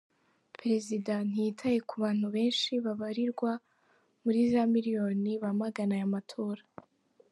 Perezida ntiyitaye ku bantu benshi babarirwa muri za miliyoni bamagana aya matora.